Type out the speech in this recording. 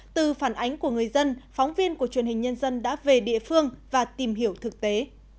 từ phản ánh của người dân phóng viên của truyền hình nhân dân đã về địa phương và tìm hiểu thực tế